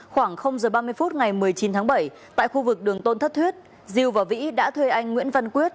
khoảng giờ ba mươi phút ngày một mươi chín tháng bảy tại khu vực đường tôn thất thuyết diêu và vĩ đã thuê anh nguyễn văn quyết